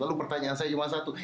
lalu pertanyaan saya cuma satu